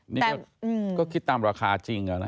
นี่ก็คิดตามราคาจริง